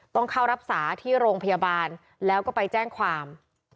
ต้องเข้ารักษาที่โรงพยาบาลแล้วก็ไปแจ้งความ